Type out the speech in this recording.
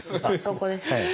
そこです。